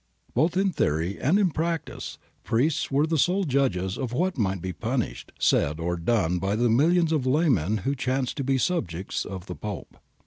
Both in theory and in practice priests were the sole judges of what might be published, said, or done by the millions of laymen who chanced to be subjects of the Pope.